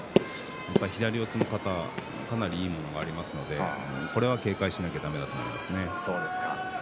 やっぱり左四つの型がかなりいいものがありますのでこれは警戒しなければだめだと思いますね。